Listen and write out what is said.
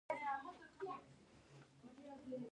وګړي د افغانانو د ژوند طرز اغېزمنوي.